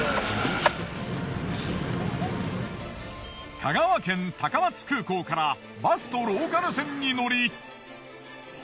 香川県高松空港からバスとローカル線に乗り。